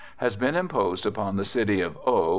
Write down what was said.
has been imposed upon the City of O.........